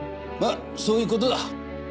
まぁそういうことだ。